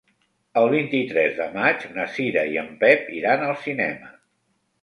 El vint-i-tres de maig na Cira i en Pep iran al cinema.